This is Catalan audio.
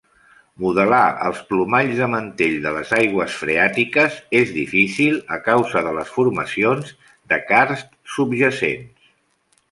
Modelar els plomalls de mantell de les aigües freàtiques és difícil a causa de les formacions de carst subjacents.